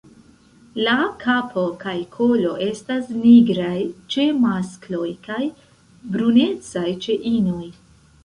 La kapo kaj kolo estas nigraj ĉe maskloj kaj brunecaj ĉe inoj.